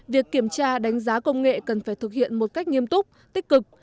việc kiểm tra đánh giá công nghệ cần phải thực hiện một cách nghiêm túc tích cực